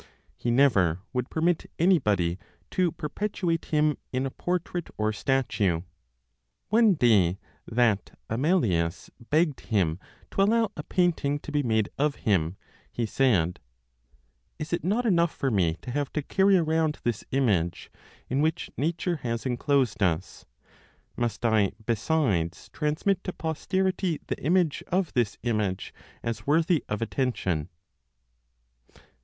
He never would permit anybody to perpetuate him in a portrait or statue. One day that Amelius begged him to allow a painting to be made of him, he said, "Is it not enough for me to have to carry around this image, in which nature has enclosed us? Must I besides transmit to posterity the image of this image as worthy of attention?"